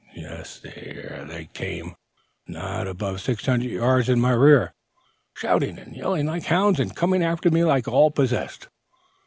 Yes, there they came, not above six hundred yards in my rear, shouting and yelling like hounds, and coming after me like all possessed."